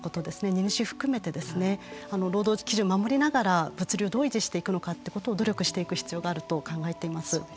荷主含めて労働基準を守りながら物流をどう維持していくのかということを努力していく必要があると考えています。